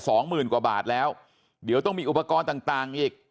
สองหมื่นกว่าบาทแล้วเดี๋ยวต้องมีอุปกรณ์ต่างต่างอีก